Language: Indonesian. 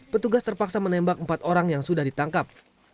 petugas terpaksa menembak empat orang yang sudah ditangkap